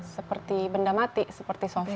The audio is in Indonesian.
seperti benda mati seperti sofian